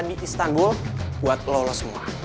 di istanbul buat lolos semua